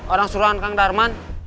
orang suruhan kang darman